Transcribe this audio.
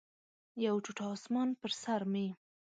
یو ټوټه اسمان پر سر مې